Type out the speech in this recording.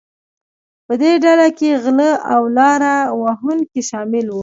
په دې ډله کې غلۀ او لاره وهونکي شامل وو.